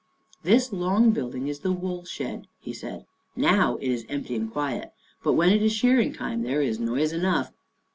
" This long building is the wool shed," he said. " Now it is empty and quiet, but when it is shearing time there is noise enough.